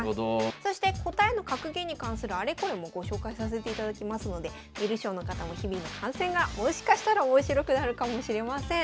そして答えの格言に関するあれこれもご紹介させていただきますので観る将の方も日々の観戦がもしかしたら面白くなるかもしれません。